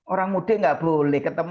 orang mudik tidak boleh